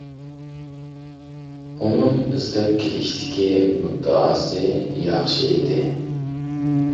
ئۇنىڭ ئىزدەپ كېلىشتىكى مۇددىئاسى ياخشى ئىدى.